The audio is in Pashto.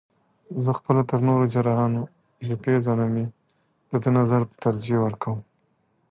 زه خپله تر نورو جراحانو، چې پېژنم یې د ده نظر ته ترجیح ورکوم.